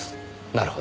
なるほど。